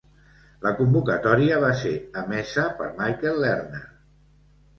La convocatòria va ser emesa per Michael Lerner.